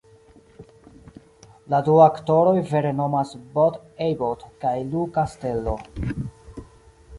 La du aktoroj vere nomas Bud Abbott kaj Lou Castello.